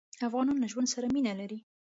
افغانان له ژوند سره مينه لري.